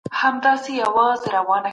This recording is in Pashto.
د لويي جرګې د بریالیتوب له پاره څه اړین دي؟